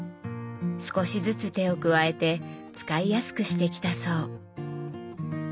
少しずつ手を加えて使いやすくしてきたそう。